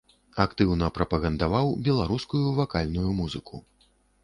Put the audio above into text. Актыўна прапагандаваў беларускую вакальную музыку.